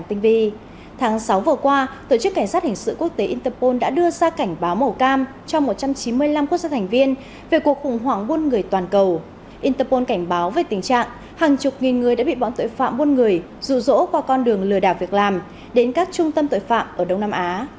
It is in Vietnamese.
interpol cảnh báo về tình trạng hàng chục nghìn người đã bị bọn tội phạm muôn người rủ rỗ qua con đường lừa đảo việc làm đến các trung tâm tội phạm ở đông nam á